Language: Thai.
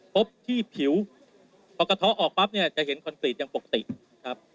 พบที่ผิวพอกระท้อออกปั๊บเนี่ยจะเห็นคอนกรีตยังปกติครับ